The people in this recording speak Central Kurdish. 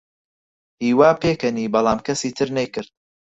هیوا پێکەنی، بەڵام کەسی تر نەیکرد.